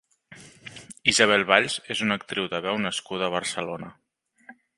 Isabel Valls és una actriu de veu nascuda a Barcelona.